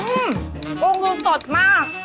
อื้อกุ้งดูสดมาก